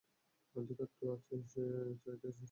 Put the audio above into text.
অধিকারই তো চাইতে এসেছি আজ।